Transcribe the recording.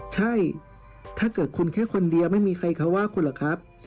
ใช่ถ้าเกิดคุณแค่คนเดียวไม่มีใครเขาว่าคุณหรอกครับ